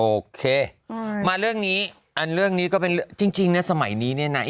โอเคมาเรื่องนี้อย่างเลือกนี้ก็เป็นเรื่องจริงสมัยนี้เนี่ยอย่างนะ